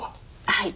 はい。